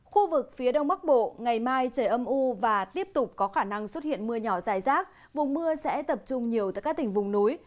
khu vực phía đông bắc bộ ngày mai trời âm u và tiếp tục có khả năng xuất hiện mưa nhỏ dài rác vùng mưa sẽ tập trung nhiều tại các tỉnh vùng núi